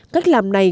cách làm này